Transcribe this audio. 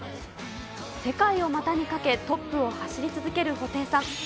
世界を股にかけ、トップを走り続ける布袋さん。